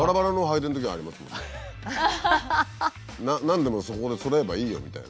何でもそこでそろえばいいよみたいな。